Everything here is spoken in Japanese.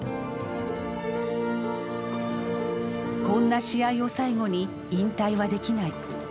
こんな試合を最後に引退はできない。